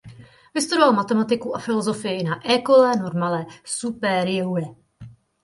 Vystudoval matematiku a filozofii na École Normale Supérieure.